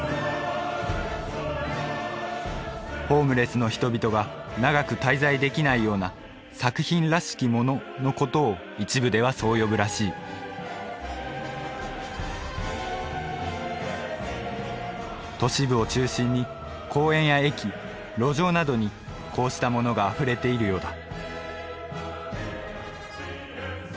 ホームレスの人々が長く滞在できないような「作品らしきもの」のことを一部ではそう呼ぶらしい都市部を中心に公園や駅路上などにこうしたものがあふれているようだ